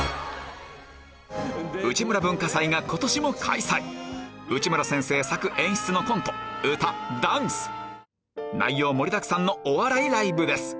『内村文化祭』が今年も開催内村先生作演出のコント歌ダンス内容盛りだくさんのお笑いライブです